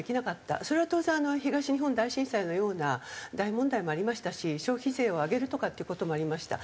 それは当然東日本大震災のような大問題もありましたし消費税を上げるとかっていう事もありました。